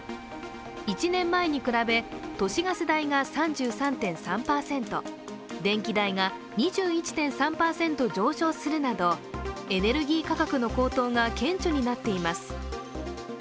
１年前に比べ都市ガス代が３３．３％、電気代が２１．３％上昇するなどエネルギー価格の高騰が顕著になっています。